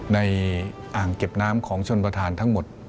อ่างเก็บน้ำของชนประธานทั้งหมด